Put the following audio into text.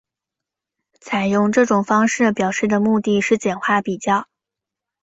采用这种方式表示的目的是简化比较。